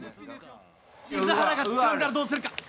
瑞原がつかんだらどうするか？